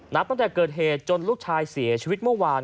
ตั้งแต่เกิดเหตุจนลูกชายเสียชีวิตเมื่อวาน